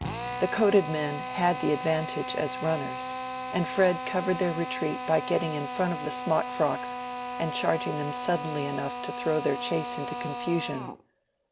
The coated men had the advantage as runners, and Fred covered their retreat by getting in front of the smock frocks and charging them suddenly enough to throw their chase into confusion.